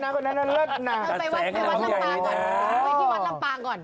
เยอะเราจะไปวัดลำปากก่อน